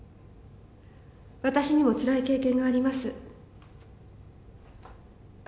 私にもつらい経験があります。